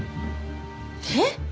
えっ？